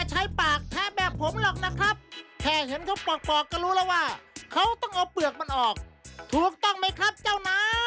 หัวหล่อหล่อหล่อฮ่า